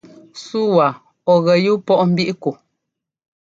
Súu waa ɔ̂ gɛ yúu pɔʼ mbíʼ ku?